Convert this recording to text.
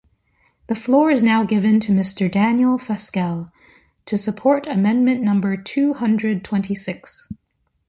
The floor is now given to Mr. Daniel Fasquelle, to support amendment number two hundred twenty-six.